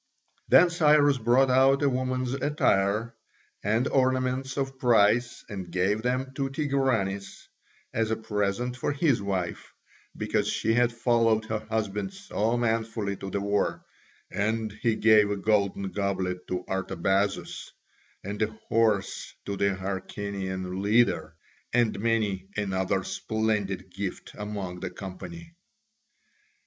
Then Cyrus brought out a woman's attire and ornaments of price and gave them to Tigranes as a present for his wife, because she had followed her husband so manfully to the war, and he gave a golden goblet to Artabazus, and a horse to the Hyrcanian leader, and many another splendid gift among the company.